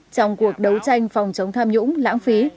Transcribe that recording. trong cuộc đấu tranh phòng chống tham nhũng lãng phí